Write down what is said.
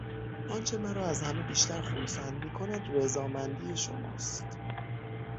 آنچه مرا از همه بیشتر خرسند میکند رضامندی شماست.